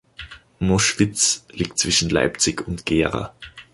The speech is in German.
Muschwitz liegt zwischen Leipzig und Gera.